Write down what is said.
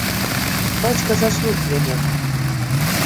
Бацька заснуць не мог.